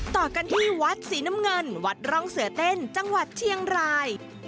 ต่อกันที่วัดสีน้ำเงินวัดร่องเสือเต้นจังหวัดเชียงราย